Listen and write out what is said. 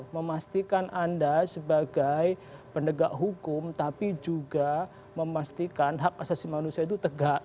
memastikan anda sebagai pendegak hukum tapi juga memastikan hak asasi manusia itu tegak